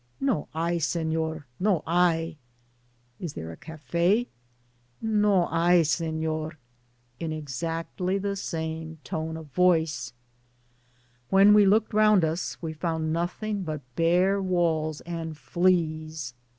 " No hay I Sefior ; no hay!''—" Is there a cafe?" « No hay! Senor,'* in exactly the same tone of voice. When we looked round us we found nothing but bare walls and fleas.